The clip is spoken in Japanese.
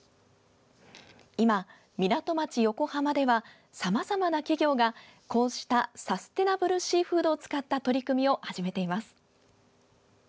今、港町・横浜ではさまざまな企業がこうしたサステナブルシーフードを使った取り組みを始めています。